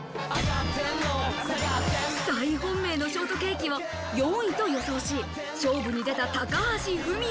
大本命のショートケーキを４位と予想し、勝負に出た高橋文哉。